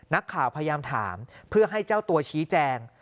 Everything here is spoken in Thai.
นักข่าวพยายามถามเพื่อให้เจ้าตัวชี้แจง